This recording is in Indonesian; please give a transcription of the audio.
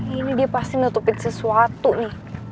ini dia pasti nutupin sesuatu nih